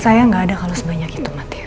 saya gak ada kalau sebanyak itu matio